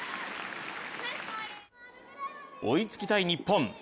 追いつきたい日本。